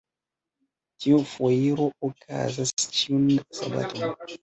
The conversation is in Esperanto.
Tiu foiro okazas ĉiun sabaton.